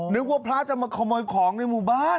นึกว่าพระจะมาขโมยของในหมู่บ้าน